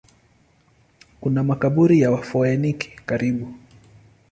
Kuna makaburi ya Wafoeniki karibu.